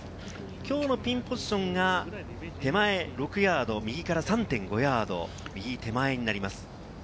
きょうのピンポジションが手前６ヤード、右から３．５ヤード、右手前になります。